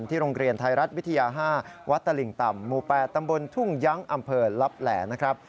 โรงเรียนไทยรัฐวิทยา๕วัดตลิ่งต่ำหมู่๘ตำบลทุ่งยั้งอำเภอลับแหล่นะครับ